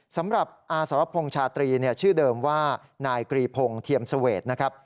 สำหรับอาสรพงษ์ชาตรีชื่อเดิมว่านายกรีพงศ์เทียมเสวดนะครับ